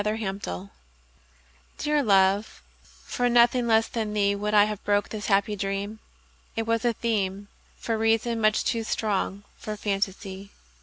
The Dream DEAR love, for nothing less than theeWould I have broke this happy dream; It was a themeFor reason, much too strong for fantasy.